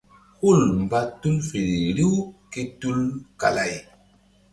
Hul mba tul feri riw ké tukala ay.